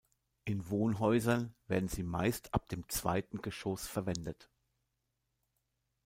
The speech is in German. In Wohnhäusern werden sie meist ab dem zweiten Geschoss verwendet.